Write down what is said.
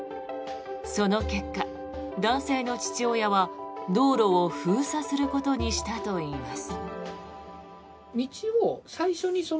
その結果、男性の父親は道路を封鎖することにしたといいます。